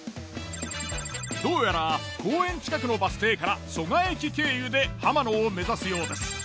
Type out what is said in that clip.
どうやら公園近くのバス停から蘇我駅経由で浜野を目指すようです。